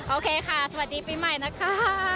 โอเคค่ะสวัสดีปีใหม่นะคะ